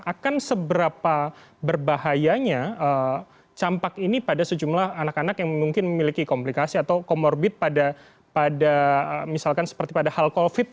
akan seberapa berbahayanya campak ini pada sejumlah anak anak yang mungkin memiliki komplikasi atau comorbid pada misalkan seperti pada hal covid